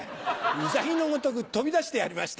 ウサギのごとく飛び出してやりました。